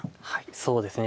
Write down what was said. そうですね